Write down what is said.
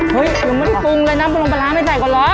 เห้ยอย่างมันไม่ปรุงเลยนะมันลงไปล้างไม่ใส่ก่อนเหรอ